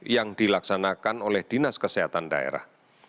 yang dilaksanakan oleh dinas kesehatan daerah